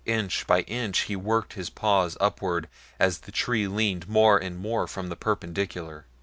Inch by inch he worked his paws upward as the tree leaned more and more from the perpendicular.